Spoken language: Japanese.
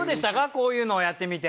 こういうのをやってみて。